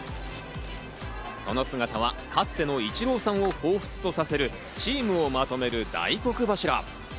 その姿はかつてのイチローさんを彷彿とさせる、チームをまとめる大黒柱。